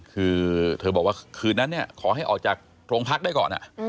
คือเธอบอกว่าคืนนั้นเนี่ยขอให้ออกจากโรงพักได้ก่อน